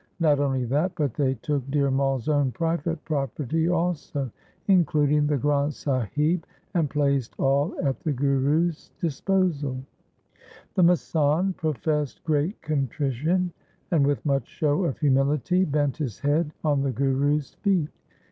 Not only that, but they took Dhir Mai's own private property also, including the Granth Sahib, and placed all at the Guru's disposal. LIFE OF GURU TEG BAHADUR 335 The masand professed great contrition, and with much show of humility bent his head on the Guru's feet.